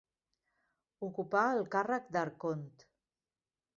Ocupà el càrrec d'arcont.